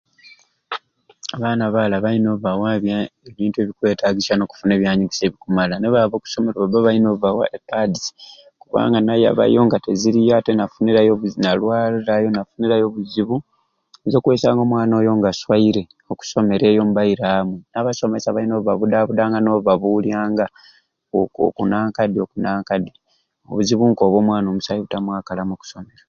"Abaana abaala balina okubawa ebya ebintu ebikwetaagisya n'okufuna ebyanyegesya ebikumala nibaaba oku masomero babba balina okubawa epaadizi kubanga nayabayo nga tiziriyo ate n'afunirayo obuzi n'alwarayo n'afunirayo obuzibu oyinza okwesanga ng'omwana oyo ng'aswaire oku somero eyo n'abaira baamwe n'abasomesa balina okubabudaabudanga n'okubabuulyanga, ""Okukunanka di? Okunanka di?"" Obuzibu k'obwo omwana omusaayi obutamwakalamu oku somero "